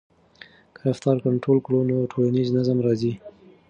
که رفتار کنټرول کړو نو ټولنیز نظم راځي.